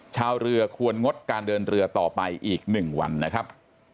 ชาวเรือควรงดการเดินเรือต่อไปอีก๑วันนะครับ